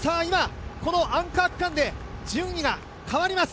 アンカー区間で順位が変わります。